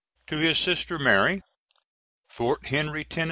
To his sister Mary.] Fort Henry, Tenn.